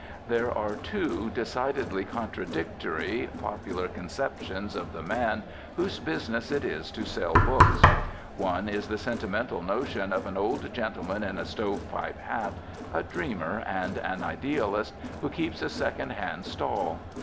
There are two, decidedly contradictory, popular conceptions of the man whose business it is to sell books. One is the sentimental notion of an old gentleman in a "stovepipe hat," a dreamer and an idealist, who keeps a second hand stall.